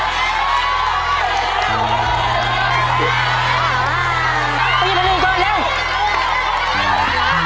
ไปหยิบผักด้วยเร็ว